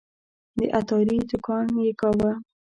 د عطاري دوکان یې کاوه.